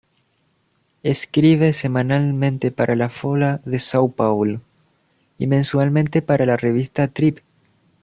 Escribe semanalmente para la "Folha de São Paulo" y mensualmente para la "Revista Trip".